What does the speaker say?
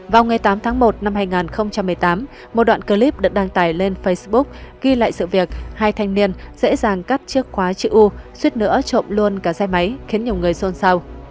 vào ngày tám tháng một năm hai nghìn một mươi tám một đoạn clip được đăng tải lên facebook ghi lại sự việc hai thanh niên dễ dàng cắt chiếc khóa chữ u su suýt nửa trộm luôn cả xe máy khiến nhiều người xôn xao